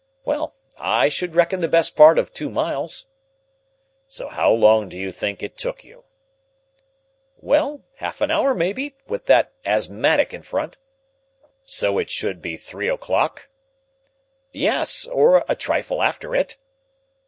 "Well, I should reckon the best part of two miles." "So how long do you think it took you?" "Well, half an hour, maybe, with that asthmatic in front." "So it should be three o'clock?" "Yes, or a trifle after it."